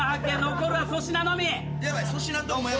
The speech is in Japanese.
残るは粗品のみ。